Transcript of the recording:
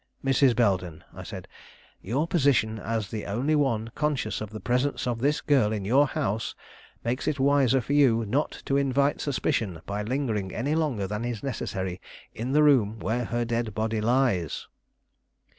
"Mrs. Belden," I said, "your position as the only one conscious of the presence of this girl in your house makes it wiser for you not to invite suspicion by lingering any longer than is necessary in the room where her dead body lies."